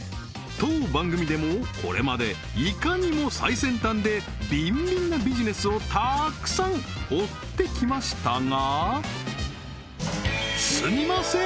当番組でもこれまでいかにも最先端でビンビンなビジネスをたーくさん追ってきましたがすみません！